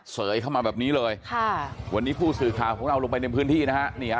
เสยเข้ามาแบบนี้เลยค่ะวันนี้ผู้สื่อข่าวของเราลงไปในพื้นที่นะฮะ